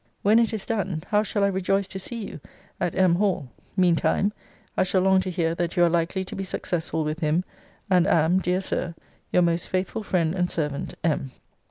When it is done, how shall I rejoice to see you at M. Hall! Mean time, I shall long to hear that you are likely to be successful with him; and am, Dear Sir, Your most faithful friend and servant, M.